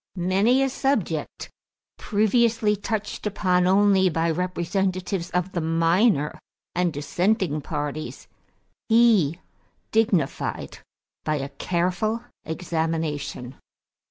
Many a subject previously touched upon only by representatives of the minor and dissenting parties, he dignified by a careful examination.